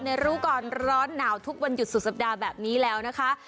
รู้ก่อนร้อนหนาวทุกวันหยุดสุดสัปดาห์แบบนี้แล้วนะคะ